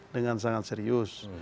dengan sangat serius